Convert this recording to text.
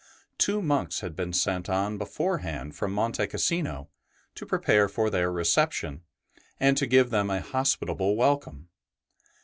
Two monks had been sent on before hand from Monte Cassino to prepare for their ST. BENEDICT 97 reception and to give them a hospitable welcome.